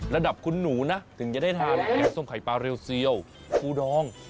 ระดับคุณหนูนะถึงจะได้ทานแกงส้มไข่ปลาเรียวเซียวปูดอง